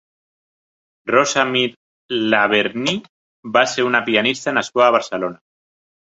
Rosa Mir Laverny va ser una pianista nascuda a Barcelona.